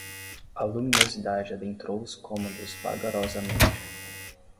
A luminosidade adentrou os cômodos vagarosamente